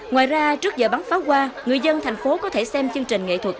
ngoài ra trước giờ bắn pháo hoa người dân thành phố có thể xem chương trình nghệ thuật